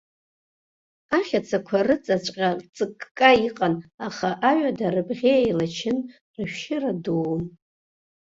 Ахьацақәа рыҵаҵәҟьа ҵыкка иҟан, аха аҩада рыбӷьы еилачын, рышәшьыра дуун.